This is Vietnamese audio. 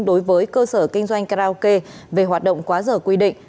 đối với cơ sở kinh doanh karaoke về hoạt động quá giờ quy định